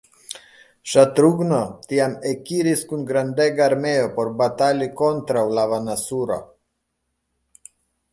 Ŝatrughno tiam ekiris kun grandega armeo por batali kontraŭ Lavanasuro.